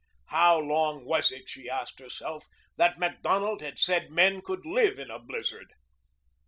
How long was it, she asked herself, that Macdonald had said men could live in a blizzard?